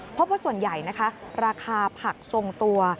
เพราะว่าส่วนใหญ่นะคะราคาผักทรงตัว